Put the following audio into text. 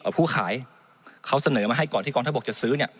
ผู้ขายเขาเสนอมาให้ก่อนที่กองทัพบกจะซื้อเนี่ย